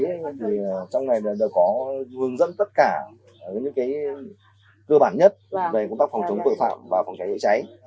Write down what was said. bản giấy thì trong này có hướng dẫn tất cả những cái cơ bản nhất về công tác phòng chống tội phạm và phòng cháy chữa cháy